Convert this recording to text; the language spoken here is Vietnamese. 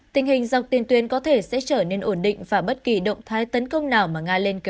tình hình dọc tiền tuyến có thể sẽ trở nên ổn định và bất kỳ động thái tấn công nào mà nga lên kế